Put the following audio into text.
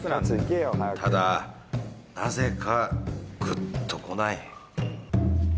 ただなぜかぐっとこない